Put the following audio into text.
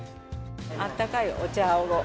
あったかいお茶を。